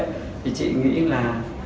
thì chị nghĩ là